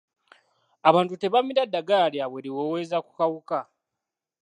Abantu tebamira ddagala lyabwe liweweeza ku kawuka.